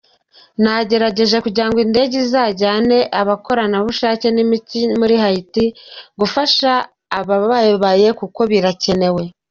Nagerageje kugira ngo indege izajyane abakorerabushake nimiti muri Haiti gufasha abababaye kuko birakenewe.